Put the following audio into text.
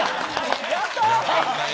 やったー！